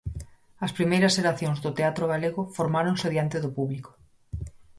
As primeiras xeracións do teatro galego formáronse diante do público.